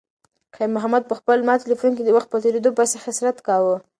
خیر محمد په خپل مات تلیفون کې د وخت په تېریدو پسې حسرت کاوه.